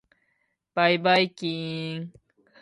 ばいばいきーーーん。